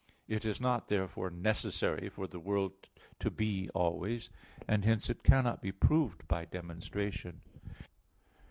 It is not therefore necessary for the world to be always; and hence it cannot be proved by demonstration.